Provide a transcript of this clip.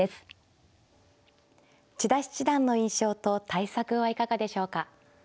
千田七段の印象と対策はいかがでしょうか。